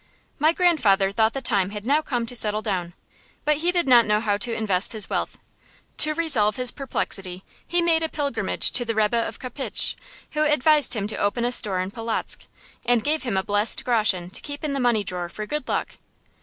My grandfather thought the time had now come to settle down, but he did not know how to invest his wealth. To resolve his perplexity, he made a pilgrimage to the Rebbe of Kopistch, who advised him to open a store in Polotzk, and gave him a blessed groschen to keep in the money drawer for good luck.